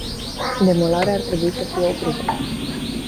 Demolarea ar trebui să fie oprită.